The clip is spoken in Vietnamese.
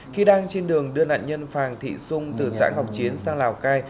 khi đang trên đường đưa nạn nhân phàng thị xung từ xã ngọc chiến sang lào cai